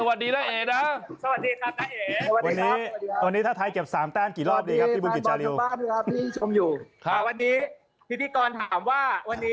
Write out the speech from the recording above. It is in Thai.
วันนี้กี่รอบครับถ้าชนะ